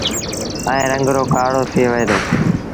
ائيٚݩ رنگ رو ڪآرو ٿئي وهي دو۔